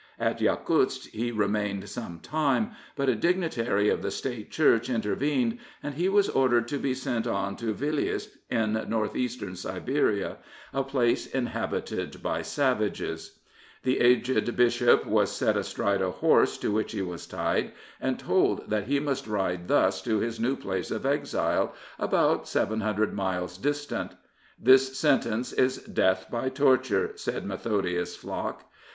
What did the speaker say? At Yakutsk he remained some time, but a dignitary of the State Church intervened and he was ordered to be sent on to Vilyuisk, in North Eastern Siberia, a place inhabited by savages. 264 The Tsar The aged Bishop was set astride a horse to which he was tied, and told that he must ride thus to his new place of exile, about 700 miles distant. " This sentence is death by torture,'' said Methodius' flock.